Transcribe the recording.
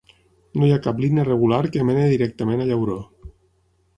No hi ha cap línia regular que meni directament a Llauró.